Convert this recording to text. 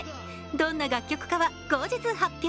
どんな楽曲かは、後日発表。